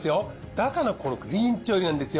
だからこのクリーン調理なんですよ。